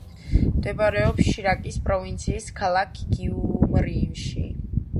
მდებარეობს შირაკის პროვინციის ქალაქ გიუმრიში.